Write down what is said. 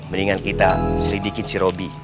mendingan kita selidikin si robby